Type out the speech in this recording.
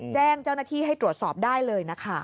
แจ้งเจ้าหน้าที่ให้ตรวจสอบได้เลยนะคะ